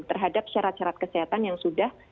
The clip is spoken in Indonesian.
terhadap syarat syarat kesehatan yang sudah